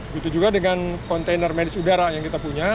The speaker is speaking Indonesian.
begitu juga dengan kontainer medis udara yang kita punya